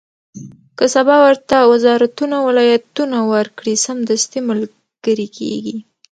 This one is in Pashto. که سبا ورته وزارتونه او ولایتونه ورکړي، سمدستي ملګري کېږي.